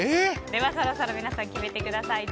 そろそろ皆さん決めてくださいね。